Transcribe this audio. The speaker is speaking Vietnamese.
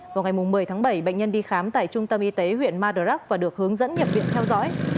vào ngày một mươi tháng bảy bệnh nhân đi khám tại trung tâm y tế huyện madurak và được hướng dẫn nhập viện theo dõi